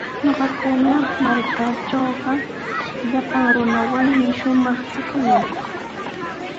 Ñuqakuna markaatrawqa llapan runawanmi shumaq kawakuyaa.